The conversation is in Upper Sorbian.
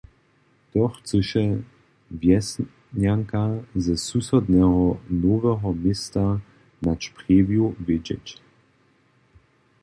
To chcyše wjesnjanka ze susodneho Noweho Města nad Sprjewju wědźeć.